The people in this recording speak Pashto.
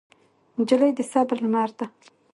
نجلۍ د صبر لمر ده.